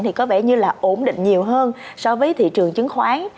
thì có vẻ như là ổn định nhiều hơn so với thị trường chứng khoán